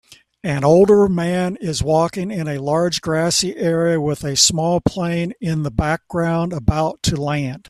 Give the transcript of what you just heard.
An older man is walking in a large grassy area with a small plane in the background about to land